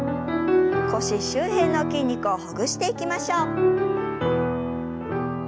腰周辺の筋肉をほぐしていきましょう。